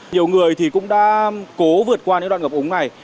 nhiều người thì cũng đã cố vượt qua những đoạn ngập ống này